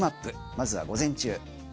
まずは午前中。